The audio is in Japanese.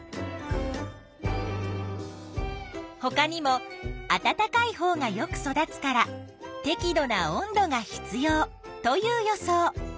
ほかにも「あたたかいほうがよく育つからてき度な温度が必要」という予想。